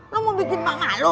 lu mau bikin mak malu